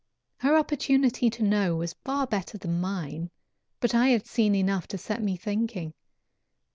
Her opportunity to know was far better than mine, but I had seen enough to set me thinking.